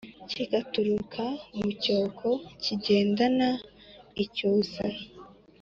Kigaturuka mu cyoko kigendana icyusa